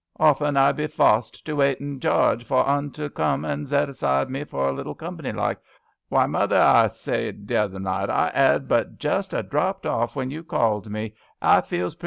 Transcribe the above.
Often I be fossed to waiken Jarge for un to come and zet beside me for a little comp'ny like. * Why, mother,' a zaid, t'other night, * I *ad but just a dropped off when you called me, and I feels pretty